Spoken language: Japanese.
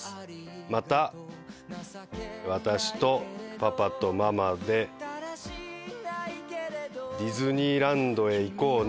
また私とパパとママでディズニーランドへ行こうね。